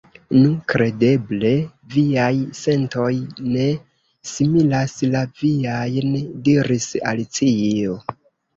"Nu, kredeble viaj sentoj ne similas la miajn," diris Alicio.